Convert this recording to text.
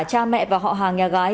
cha mẹ và họ hàng nhà gái